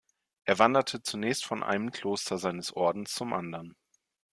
Er wanderte zunächst von einem Kloster seines Ordens zum anderen.